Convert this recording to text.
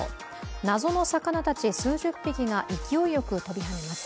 謎の魚たち数十匹が勢いよく飛び跳ねます。